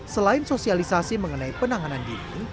selain sosialisasi mengenai penanganan dini